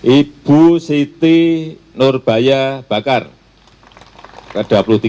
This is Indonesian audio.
ibu siti nurbaya bakar ke dua puluh tiga